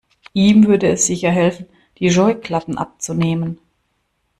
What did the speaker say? Ihm würde es sicher helfen, die Scheuklappen abzunehmen.